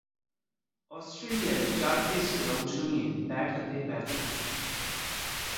অস্ট্রেলিয়ায় চার টেস্টে অংশ নিয়ে ব্যাট হাতে ব্যর্থ হন।